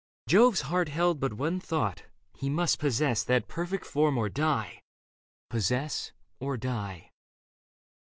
Jove's heart held but one thought : he must possess That perfect form or die — possess or die.